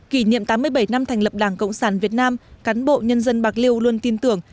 kỷ niệm tám mươi bảy năm thành lập đảng cộng sản việt nam cán bộ nhân dân bạc liêu luôn tin tưởng